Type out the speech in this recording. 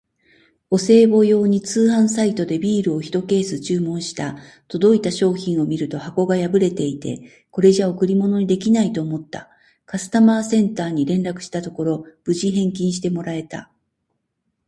お歳暮用に通販サイトでビールをひとケース注文した。届いた商品を見ると箱が破れていて、これじゃ贈り物にできないと思った。カスタマーセンターに連絡したところ、無事返金してもらえた！